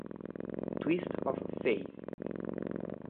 Twist of Faith